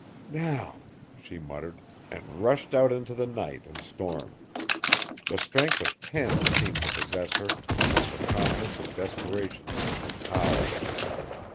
"Now!" she muttered, and rushed out into the night and storm. The strength of ten seemed to possess her; and the calmness of desperation lent her power.